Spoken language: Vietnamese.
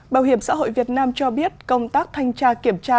bảo hiểm xã hội việt nam cho biết công tác thanh tra kiểm tra